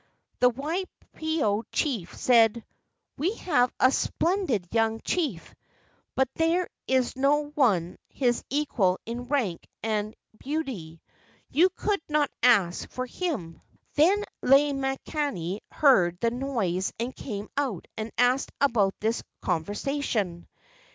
The Waipio chief said: "We have a splendid young chief, but there is no one his equal in rank and beauty. You could not ask for him." Then Lei makani heard the noise and came out and asked about this conversation.